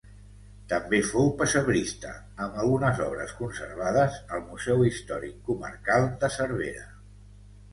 També fou pessebrista, amb algunes obres conservades al Museu Històric Comarcal de Cervera.